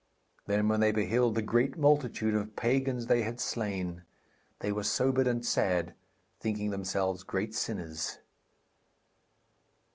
Then when they beheld the great multitude of pagans they had slain, they were sobered and sad, thinking themselves great sinners.